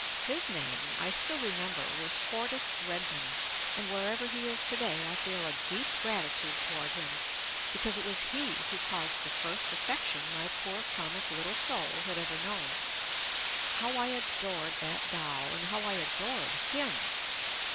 His name, I still re member, was Fortis Redmond, and wherever he is to day I feel a deep gratitude toward him because it was he who caused the first affection my poor comic little soul had ever known. How I adored that doll and how I adored him.